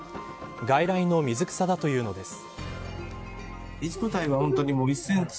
外来の水草だというのです。